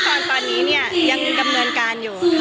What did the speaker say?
ตอนนี้เนี่ยยังดำเนินการอยู่